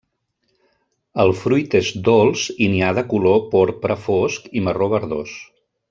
El fruit és dolç i n'hi ha de color porpra fosc i marró verdós.